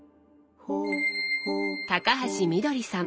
高橋みどりさん。